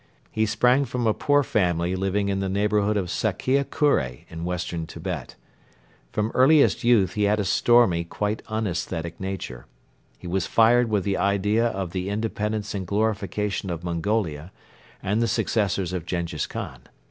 He sprang from a poor family living in the neighborhood of Sakkia Kure in western Tibet. From earliest youth he had a stormy, quite unaesthetic nature. He was fired with the idea of the independence and glorification of Mongolia and the successors of Jenghiz Khan.